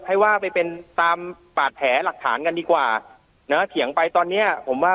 ให้ว่าไปเป็นตามบาดแผลหลักฐานกันดีกว่านะเถียงไปตอนเนี้ยผมว่า